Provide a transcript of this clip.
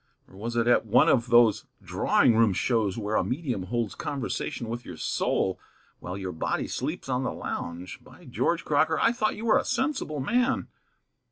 Or was it at one of those drawing room shows where a medium holds conversation with your soul, while your body sleeps on the lounge? By George, Crocker, I thought you were a sensible man."